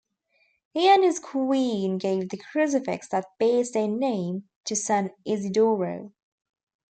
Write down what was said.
He and his queen gave the crucifix that bears their name to San Isidoro.